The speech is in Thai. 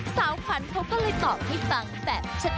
สาวขวัญเขาก็เลยตอบให้ฟังแบบชัด